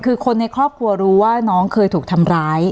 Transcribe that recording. คือคนในครอบครัวรู้ว่าน้องเคยถูกทำร้าย